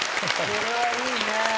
これはいいね。